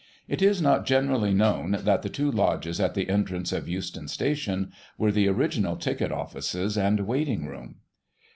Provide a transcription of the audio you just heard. It is not generally known that the two lodges at the entrance of Euston Station, were the original ticket office and waiting room.